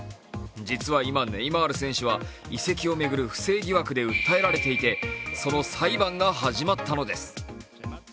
実は今、ネイマール選手は移籍を巡る不正疑惑で訴えられていてその裁判が始まったのです。